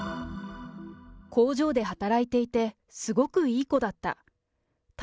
工場で働いていて、すごくいい子だった。